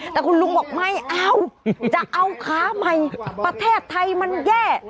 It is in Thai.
แต่คุณลุงบอกไม่เอาจะเอาขาใหม่ประเทศไทยมันแย่